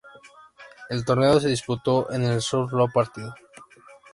El torneo se disputó en un solo partido.